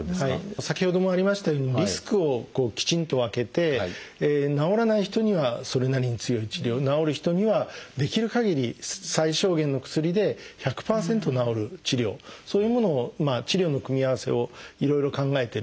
先ほどもありましたようにリスクをきちんと分けて治らない人にはそれなりに強い治療治る人にはできるかぎり最小限の薬で１００％治る治療そういうものを治療の組み合わせをいろいろ考えてる。